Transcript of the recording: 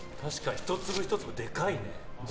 １粒１粒でかいね。